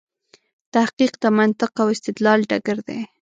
تحقیق د منطق او استدلال ډګر دی.